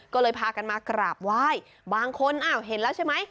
ก็เลยพากันมากราบไหว้บางคนอ้าวเห็นแล้วใช่ไหม